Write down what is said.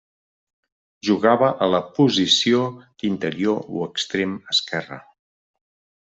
Jugava a la posició d'interior o extrem esquerre.